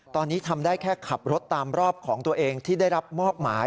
ตอนนี้ทำได้แค่ขับรถตามรอบของตัวเองที่ได้รับมอบหมาย